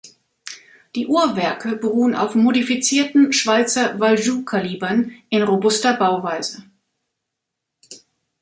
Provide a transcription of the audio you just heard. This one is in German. Die Uhrwerke beruhen auf modifizierten Schweizer Valjoux-Kalibern in robuster Bauweise.